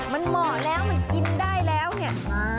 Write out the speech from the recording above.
มันเหมาะแล้วมันกินได้แล้วเนี่ย